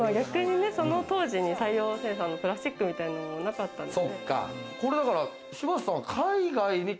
その当時に大量生産のプラスチックみたいなのもなかったので。